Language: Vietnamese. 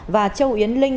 và châu yến linh